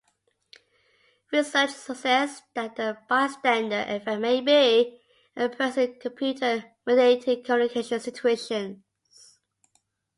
Research suggests that the bystander effect may be present in computer-mediated communication situations.